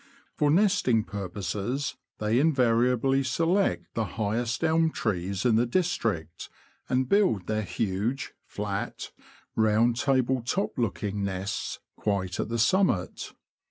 For nesting purposes, they invariably select the highest elm trees in the district, and build their huge, flat, round table top looking nests quite at the summit.